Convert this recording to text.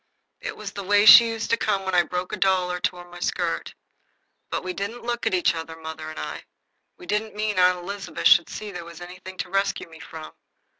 It was the way she used to come when I broke my doll or tore my skirt. But we didn't look at each other, mother and I. We didn't mean Aunt Elizabeth should see there was anything to rescue me from.